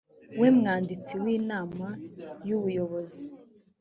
we mwanditsi w inama y ubuyobozi